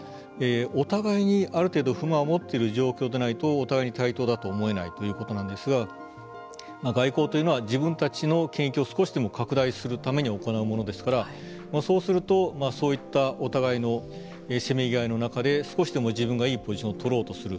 お互いに、ある程度不満を持ってる状況でないとお互いに対等だと思えないということなんですが外交というのは自分たちの権益を少しでも拡大するために行うものですからそうすると、そういったお互いのせめぎ合いの中で少しでも自分がいいポジションを取ろうとする。